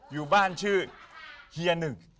อยู่บ้านชื่อเฮียหนึ่ง